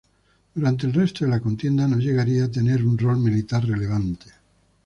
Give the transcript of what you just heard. Durante el resto de la contienda no llegaría a tener un rol militar relevante.